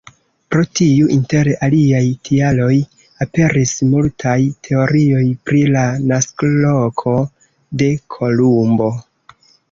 Pro tiu, inter aliaj tialoj, aperis multaj teorioj pri la naskoloko de Kolumbo.